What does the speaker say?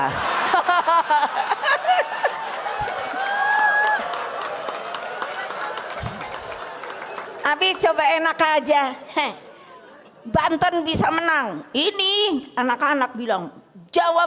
hahaha tapi coba enak aja banten bisa menang ini anak anak bilang jawa